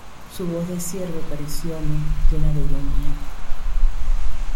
su voz de siervo parecióme llena de ironía: